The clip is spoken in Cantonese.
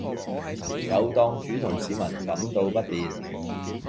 有檔主同市民感到不便